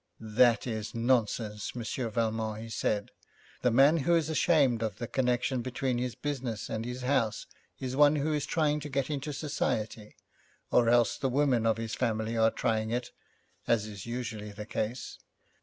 'That is nonsense, Monsieur Valmont,' he said, 'the man who is ashamed of the connection between his business and his house is one who is trying to get into Society, or else the women of his family are trying it, as is usually the case.